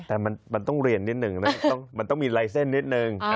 แต่มันต้องเรียนนิดนึงมันต้องมีไลเซ็นต์นิดนึง